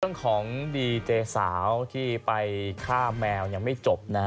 เรื่องของดีเจสาวที่ไปฆ่าแมวยังไม่จบนะฮะ